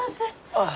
ああ。